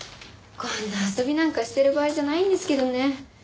こんな遊びなんかしてる場合じゃないんですけどね。